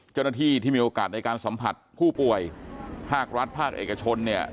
ที่มีโอกาสในการสัมผัสผู้ป่วยภาครัฐภาคเอกชนเนี่ย